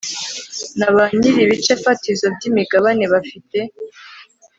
na ba nyir ibice fatizo by imigabane bafite